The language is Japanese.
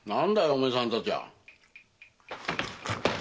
お前さんたちは？